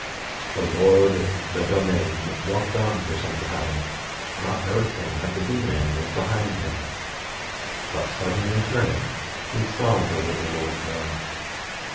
The Lord of the Domain walked on for some time, not noticing that the Bee man was behind him. But suddenly turning, he saw the little old man.